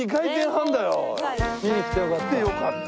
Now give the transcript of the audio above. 見に来てよかった。